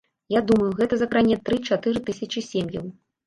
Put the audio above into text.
Я думаю, гэта закране тры-чатыры тысячы сем'яў.